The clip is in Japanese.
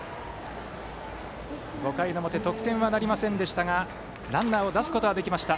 ５回の表得点はなりませんでしたがランナーを出すことはできました。